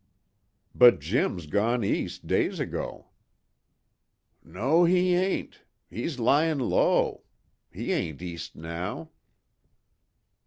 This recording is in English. "But Jim's gone east days ago." "No, he ain't. He's lyin' low. He ain't east now."